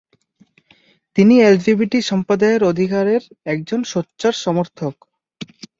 তিনি এলজিবিটি সম্প্রদায়ের অধিকারের একজন সোচ্চার সমর্থক।